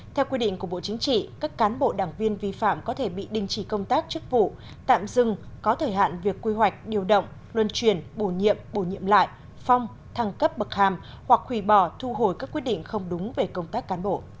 theo quy định của bộ chính trị các cán bộ đảng viên vi phạm có thể bị đình chỉ công tác chức vụ tạm dừng có thời hạn việc quy hoạch điều động luân truyền bổ nhiệm bổ nhiệm lại phong thăng cấp bậc hàm hoặc khủy bỏ thu hồi các quyết định không đúng về công tác cán bộ